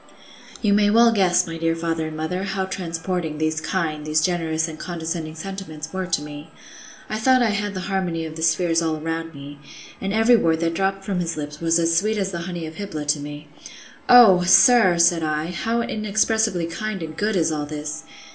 You may well guess, my dear father and mother, how transporting these kind, these generous and condescending sentiments were to me!—I thought I had the harmony of the spheres all around me; and every word that dropped from his lips was as sweet as the honey of Hybla to me.—Oh! sir, said I, how inexpressibly kind and good is all this!